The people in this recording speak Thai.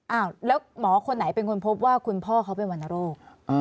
อ้าวแล้วหมอคนไหนเป็นคนพบว่าคุณพ่อเขาเป็นวรรณโรค